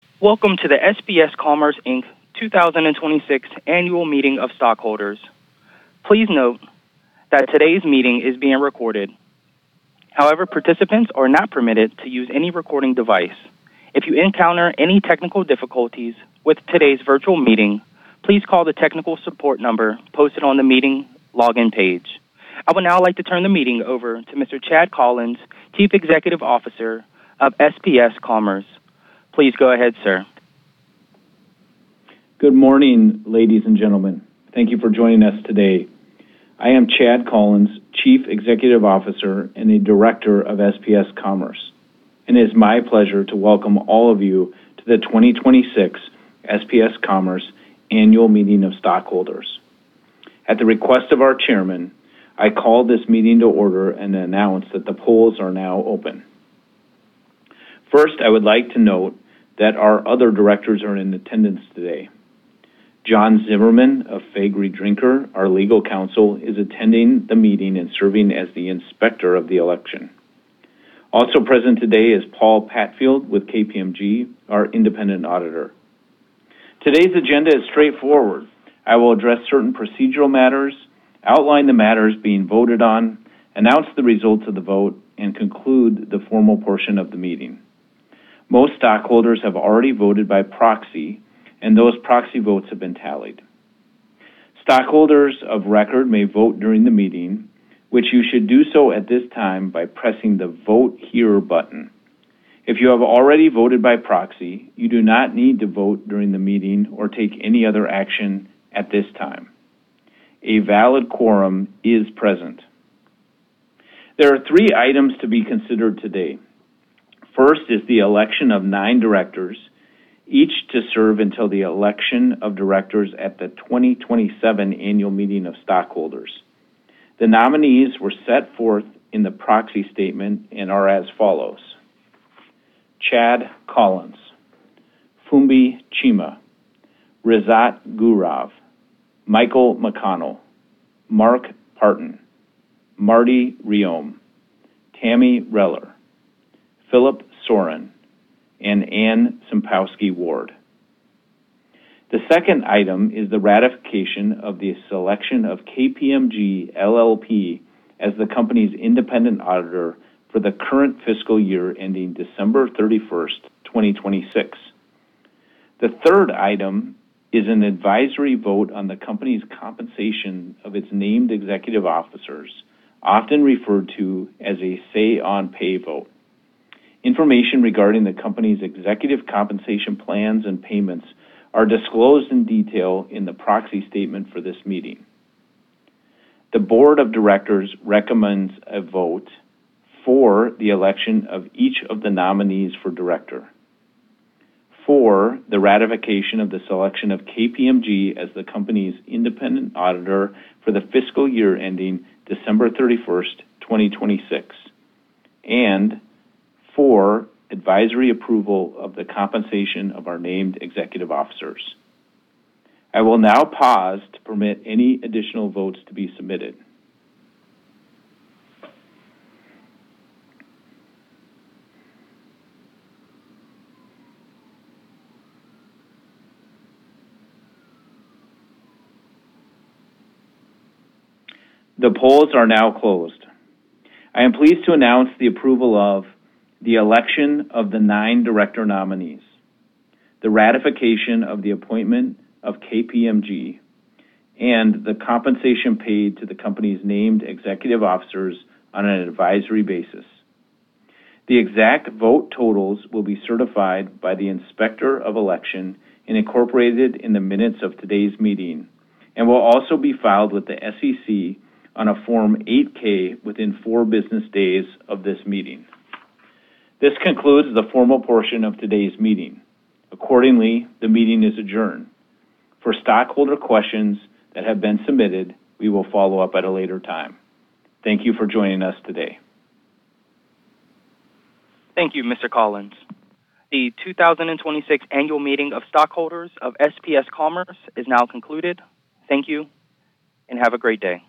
Welcome to the SPS Commerce Inc. 2026 annual meeting of stockholders. Please note that today's meeting is being recorded. However, participants are not permitted to use any recording device. If you encounter any technical difficulties with today's virtual meeting, please call the technical support number posted on the meeting login page. I would now like to turn the meeting over to Mr. Chad Collins, Chief Executive Officer of SPS Commerce. Please go ahead, sir. Good morning, ladies and gentlemen. Thank you for joining us today. I am Chad Collins, Chief Executive Officer and a Director of SPS Commerce, and it is my pleasure to welcome all of you to the 2026 SPS Commerce Annual Meeting of Stockholders. At the request of our chairman, I call this meeting to order and announce that the polls are now open. First, I would like to note that our other directors are in attendance today. Jonathan Zimmerman of Faegre Drinker, our legal counsel, is attending the meeting and serving as the inspector of the election. Also present today is Paul Patfield with KPMG, our independent auditor. Today's agenda is straightforward. I will address certain procedural matters, outline the matters being voted on, announce the results of the vote, and conclude the formal portion of the meeting. Most stockholders have already voted by proxy, and those proxy votes have been tallied. Stockholders of record may vote during the meeting, which you should do so at this time by pressing the Vote Here button. If you have already voted by proxy, you do not need to vote during the meeting or take any other action at this time. A valid quorum is present. There are three items to be considered today. First is the election of nine directors, each to serve until the election of directors at the 2027 annual meeting of stockholders. The nominees were set forth in the proxy statement and are as follows: Chad Collins, Fumbi Chima, Razat Gaurav, Michael McConnell, Mark Partin, Marty Réaume, Tami Reller, Philip Soran, and Anne Sempowski Ward. The second item is the ratification of the selection of KPMG LLP as the company's independent auditor for the current fiscal year ending December 31st, 2026. The third item is an advisory vote on the company's compensation of its named executive officers, often referred to as a say on pay vote. Information regarding the company's executive compensation plans and payments is disclosed in detail in the proxy statement for this meeting. The board of directors recommends a vote for the election of each of the nominees for director, for the ratification of the selection of KPMG as the company's independent auditor for the fiscal year ending December 31st, 2026, and for advisory approval of the compensation of our named executive officers. I will now pause to permit any additional votes to be submitted. The polls are now closed. I am pleased to announce the approval of the election of the nine director nominees, the ratification of the appointment of KPMG, and the compensation paid to the company's named executive officers on an advisory basis. The exact vote totals will be certified by the Inspector of Election and incorporated in the minutes of today's meeting and will also be filed with the SEC on a Form 8-K within four business days of this meeting. This concludes the formal portion of today's meeting. Accordingly, the meeting is adjourned. For stockholder questions that have been submitted, we will follow up at a later time. Thank you for joining us today. Thank you, Mr. Collins. The 2026 annual meeting of stockholders of SPS Commerce is now concluded. Thank you and have a great day.